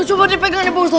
coba dipegangin pak ustadz